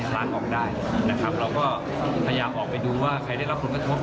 เราก็ถ้าอยากออกไปดูว่าใครได้รับผลกระทบ